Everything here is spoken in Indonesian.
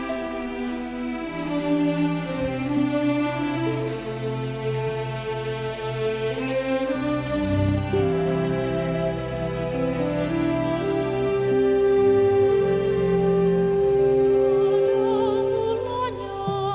ada mulanya hanya